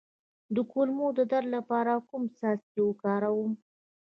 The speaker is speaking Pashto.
د کولمو د درد لپاره کوم څاڅکي وکاروم؟